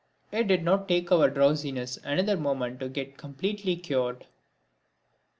It did not take our drowsiness another moment to get completely cured.